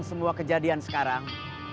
semua kejadian sekarang